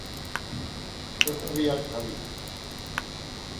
তিনি দিল্লির ক্যাপিটাল এর বিপক্ষে আইপিএলে আত্মপ্রকাশ করেন।